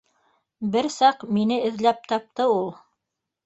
Бер саҡ мине эҙләп тапты ул